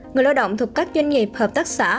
người lao động thuộc các doanh nghiệp hợp tác xã